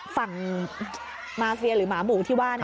ฝั่งมาเฟียค์หรือหมาบุกค์ที่ว่า